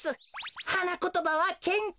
はなことばはけんきょ。